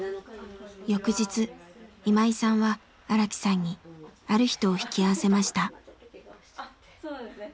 翌日今井さんは荒木さんにある人を引き合わせました。